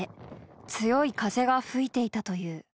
強い風が吹いていたという。